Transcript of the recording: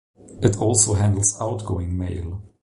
It also handles outgoing mail.